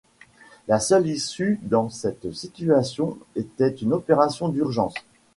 La seule issue dans cette situation était une opération d'urgence.